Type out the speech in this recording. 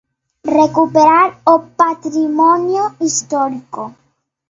Recuperar o patrimonio histórico.